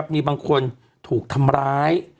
มีบางคนถูกทำร้าย